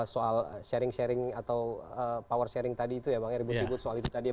soal sharing sharing atau power sharing tadi itu ya bang ya ribut ribut soal itu tadi ya